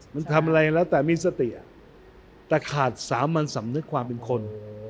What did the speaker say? มันทำอะไรแล้วแต่มีสติแต่ขาดสามัญสำนึกความเป็นคน